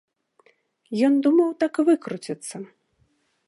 Ён думаў так выкруціцца.